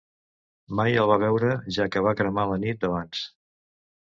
Mai el va veure, ja que va cremar la nit abans.